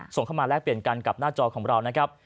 ส่งเข้ามาแลกเปลี่ยนกันกับหน้าจอของเรานะครับ